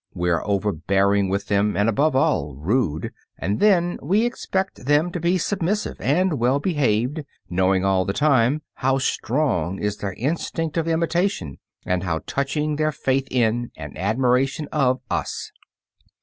We are overbearing with them, and above all, rude; and then we expect them to be submissive and well behaved, knowing all the time how strong is their instinct of imitation and how touching their faith in and admiration of us.